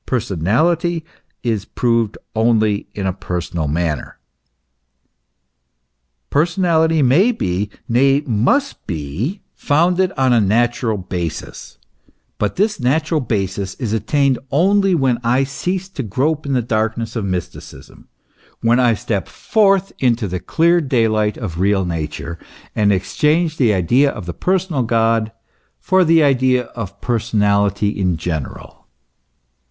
Personality is proved only in a personal manner. Personality may be, nay, must be, founded on a natural basis ; but this natural basis is attained only when I cease to grope in the darkness of mysticism, when I step forth into the clear daylight of real Nature, and exchange the idea of the personal God for the idea of personality in general.